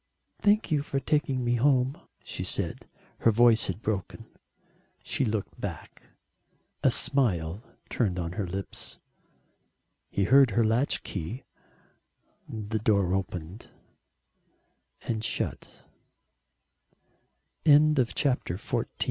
"Thank you for taking me home," she said; her voice had broken. She looked back a smile turned on to her lips. He heard her latch key. The door opened and shut. XV A TOUCH OF SPRING [_To W.Y.